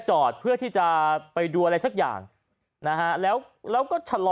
จอดเพื่อที่จะไปดูอะไรสักอย่างนะฮะแล้วแล้วก็ชะลอ